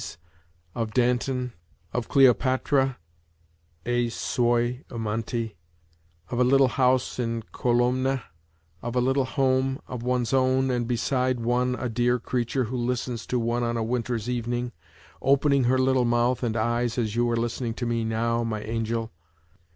D.'s, of Danton, of Cleopatra ei suoi amanti, of a little house in Kolomna, of a little home of one's own and beside one a dear creature who listens to one on a winter's evening, opening her little mouth and eyes as you are listening to me now, my angel.